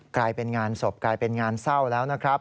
กลายเป็นงานศพกลายเป็นงานเศร้าแล้วนะครับ